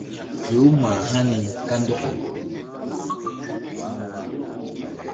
Fe-u mah hani kandɔkaw.